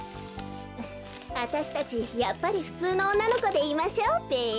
あたしたちやっぱりふつうのおんなのこでいましょうべ。